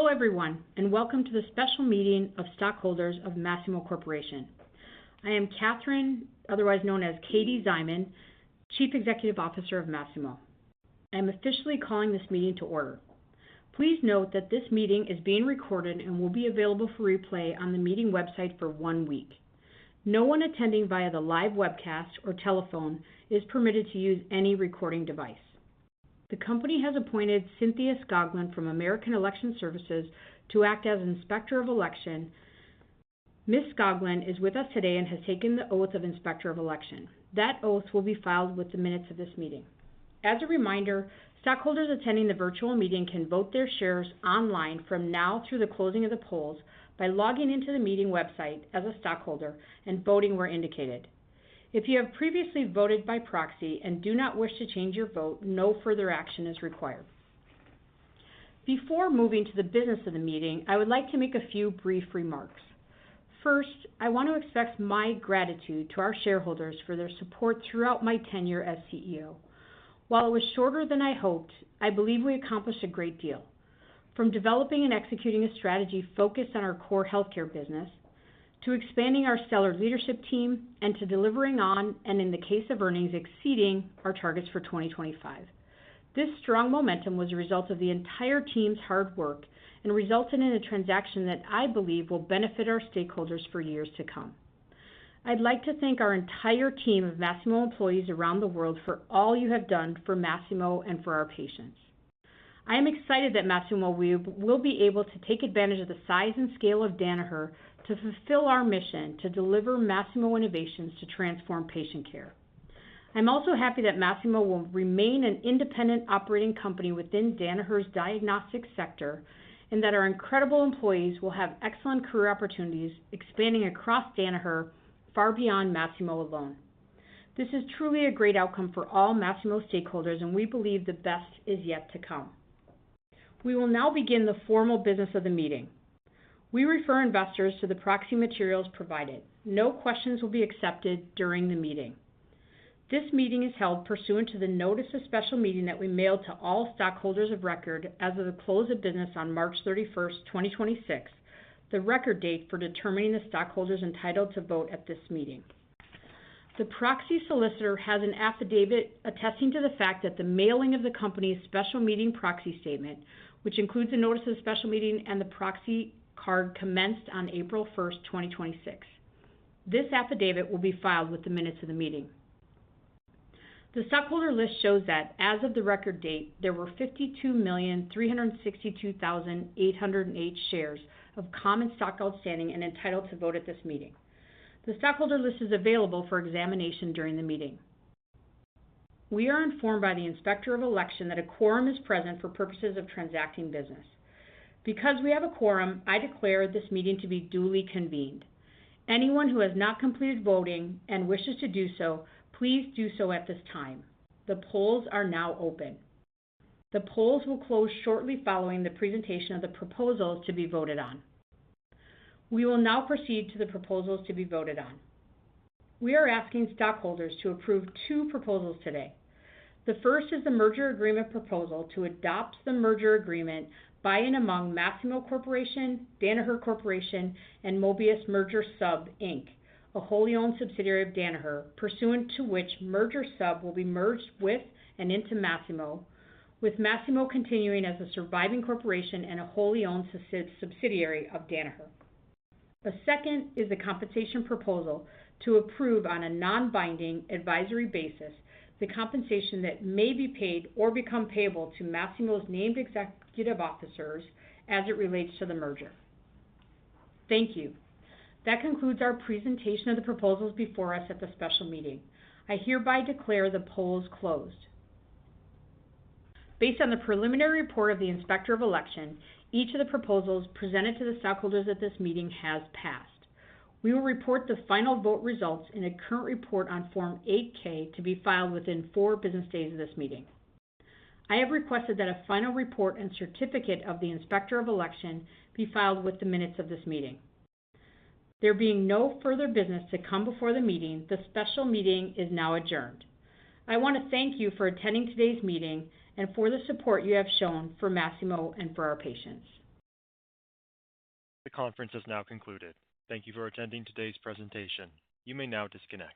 Hello, everyone, and welcome to the special meeting of stockholders of Masimo Corporation. I am Catherine, otherwise known as Katie Szyman, Chief Executive Officer of Masimo. I am officially calling this meeting to order. Please note that this meeting is being recorded and will be available for replay on the meeting website for one week. No one attending via the live webcast or telephone is permitted to use any recording device. The company has appointed Cynthia Skoglund from American Election Services to act as Inspector of Election. Ms. Skoglund is with us today and has taken the oath of Inspector of Election. That oath will be filed with the minutes of this meeting. As a reminder, stockholders attending the virtual meeting can vote their shares online from now through the closing of the polls by logging into the meeting website as a stockholder and voting where indicated. If you have previously voted by proxy and do not wish to change your vote, no further action is required. Before moving to the business of the meeting, I would like to make a few brief remarks. First, I want to express my gratitude to our shareholders for their support throughout my tenure as CEO. While it was shorter than I hoped, I believe we accomplished a great deal. From developing and executing a strategy focused on our core healthcare business, to expanding our stellar leadership team and to delivering on, and in the case of earnings, exceeding our targets for 2025. This strong momentum was a result of the entire team's hard work and resulted in a transaction that I believe will benefit our stakeholders for years to come. I'd like to thank our entire team of Masimo employees around the world for all you have done for Masimo and for our patients. I am excited that Masimo will be able to take advantage of the size and scale of Danaher to fulfill our mission to deliver Masimo innovations to transform patient care. I'm also happy that Masimo will remain an independent operating company within Danaher's diagnostics sector, and that our incredible employees will have excellent career opportunities expanding across Danaher far beyond Masimo alone. This is truly a great outcome for all Masimo stakeholders, and we believe the best is yet to come. We will now begin the formal business of the meeting. We refer investors to the proxy materials provided. No questions will be accepted during the meeting. This meeting is held pursuant to the notice of special meeting that we mailed to all stockholders of record as of the close of business on March 31st, 2026, the record date for determining the stockholders entitled to vote at this meeting. The proxy solicitor has an affidavit attesting to the fact that the mailing of the company's special meeting proxy statement, which includes the notice of special meeting and the proxy card, commenced on April 1st, 2026. This affidavit will be filed with the minutes of the meeting. The stockholder list shows that as of the record date, there were 52,362,808 shares of common stock outstanding and entitled to vote at this meeting. The stockholder list is available for examination during the meeting. We are informed by the Inspector of Election that a quorum is present for purposes of transacting business. Because we have a quorum, I declare this meeting to be duly convened. Anyone who has not completed voting and wishes to do so, please do so at this time. The polls are now open. The polls will close shortly following the presentation of the proposals to be voted on. We will now proceed to the proposals to be voted on. We are asking stockholders to approve two proposals today. The first is the merger agreement proposal to adopt the merger agreement by and among Masimo Corporation, Danaher Corporation, and Mobius Merger Sub, Inc., a wholly owned subsidiary of Danaher, pursuant to which Merger Sub will be merged with and into Masimo, with Masimo continuing as a surviving corporation and a wholly owned subsidiary of Danaher. The second is the compensation proposal to approve on a non-binding advisory basis the compensation that may be paid or become payable to Masimo's named executive officers as it relates to the merger. Thank you. That concludes our presentation of the proposals before us at the special meeting. I hereby declare the polls closed. Based on the preliminary report of the Inspector of Election, each of the proposals presented to the stockholders at this meeting has passed. We will report the final vote results in a current report on Form 8-K to be filed within four business days of this meeting. I have requested that a final report and certificate of the Inspector of Election be filed with the minutes of this meeting. There being no further business to come before the meeting, the special meeting is now adjourned. I want to thank you for attending today's meeting and for the support you have shown for Masimo and for our patients. The conference has now concluded. Thank you for attending today's presentation. You may now disconnect.